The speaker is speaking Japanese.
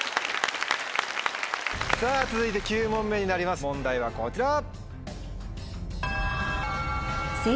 さぁ続いて９問目になります問題はこちら。